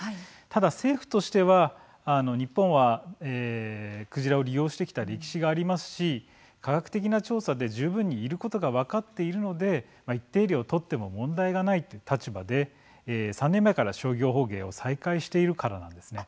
ただ、政府としては日本はクジラを利用してきた歴史がありますし科学的な調査で十分にいることが分かっているので一定量を取っても問題がないという立場で３年前から商業捕鯨を再開しているからなんですね。